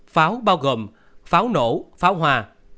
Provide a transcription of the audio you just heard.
pháo bao gồm pháo nổ pháo hoa